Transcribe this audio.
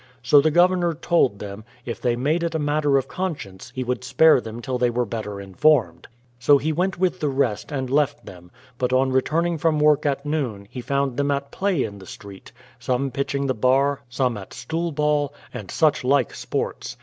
So the Governor told them, if they made it a matter of con science, he would spare them till they were better informed. THE PLYIVIOUTH SETTLEMENT 95 So he went with the rest, and left them; but on returning from work at noon he found them at play in the street, some pitching the bar, some at stool ball, and such like sports.